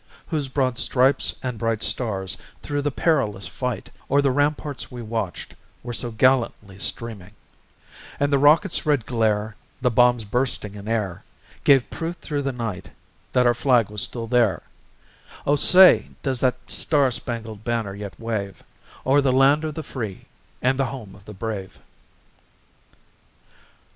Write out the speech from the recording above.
Whose broad stripes and bright stars through the perilous fight, O'er the ramparts we watched were so gallantly streaming; And the rocket's red glare, the bombs bursting in air, Gave proof through the night that our flag was still there; O say, does that star spangled banner yet wave O'er the land of the free, and the home of the brave?